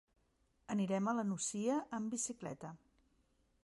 Anirem a la Nucia amb bicicleta.